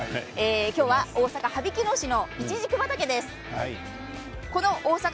今日は大阪羽曳野市のイチジク畑です。